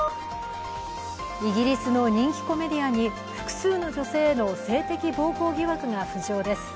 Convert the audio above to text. イギリスの人気コメディアンに複数の女性への性的暴行疑惑が浮上です。